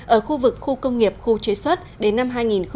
ở khu vực khu công nghiệp khu chế xuất đến năm hai nghìn hai mươi